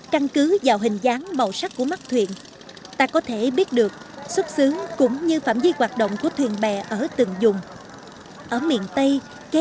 căn cứ vào hình dáng màu sắc của mắt thiện ta có thể biết xuất xứ cũng như phẩm vi quạt động của thuyền bè ở từng dùng